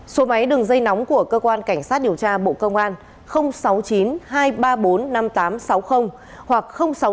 số máy đường dây nóng của cơ quan cảnh sát điều tra bộ công an sáu mươi chín hai trăm ba mươi bốn năm nghìn tám trăm sáu mươi hoặc sáu mươi chín hai trăm ba mươi hai một nghìn sáu trăm sáu mươi